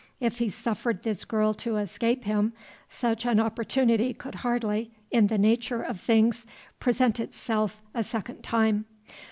If he suffered this girl to escape him, such an opportunity could hardly, in the nature of things, present itself a second time.